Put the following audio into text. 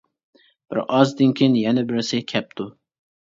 بىر ئازدىن كىيىن يەنە بىرسى كەپتۇ.